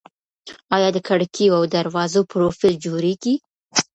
آیا د کړکیو او دروازو پروفیل جوړیږي؟